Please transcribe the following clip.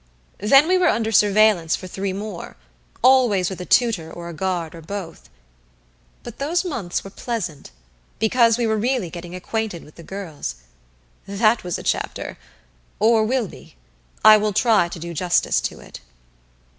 Then we were under surveillance for three more always with a tutor or a guard or both. But those months were pleasant because we were really getting acquainted with the girls. That was a chapter! or will be I will try to do justice to it.